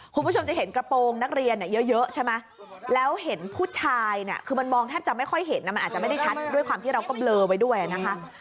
คุณผู้ชมจะเห็นกระโปรงนักเรียนเยอะใช่ไหมแล้วเห็นผู้ชายเนี่ยคือมันมองแทบจะไม่ค่อยเห็นมันอาจจะไม่ได้ชัดด้วยความที่เราก็เบลอไว้ด้วยนะคะ